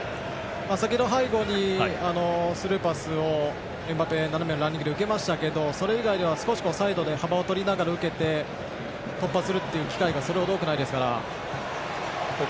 先程、背後へのスルーパスをエムバペが受けましたがそれ以外ではサイドで幅を取りながら受けて突破する機会がそれほど多くないですから。